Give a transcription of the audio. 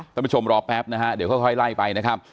ท่านผู้ชมรอแป๊บนะฮะเดี๋ยวค่อยไล่ไปนะครับ